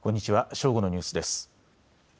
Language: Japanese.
正午のニュースです。